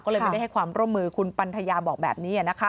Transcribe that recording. ก็เลยไม่ได้ให้ความร่วมมือคุณปันทยาบอกแบบนี้